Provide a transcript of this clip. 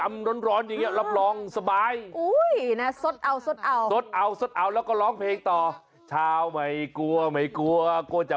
ไม่ได้พบแต่เด็กพบแมวด้วยฮะ